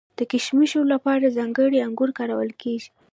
د کشمشو لپاره ځانګړي انګور کارول کیږي.